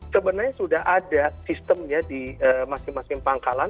sebenarnya sudah ada sistemnya di masing masing pangkalan